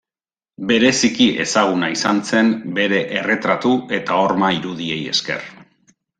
Bereziki ezaguna izan zen bere erretratu eta horma irudiei esker.